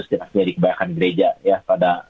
setidaknya di kebanyakan gereja ya pada